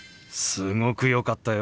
「すごく良かったよ」。